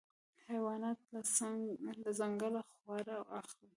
حیوانات له ځنګله خواړه اخلي.